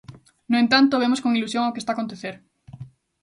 No entanto, vemos con ilusión o que está a acontecer.